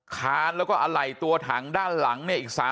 ขานและก็อะไหลตัวถังด้านหลังเนี่ยอีก๓๕๐๐๐๐๐